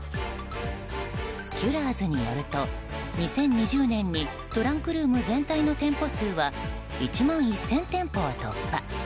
キュラーズによると２０２０年にトランクルーム全体の店舗数は１万１０００店舗を突破。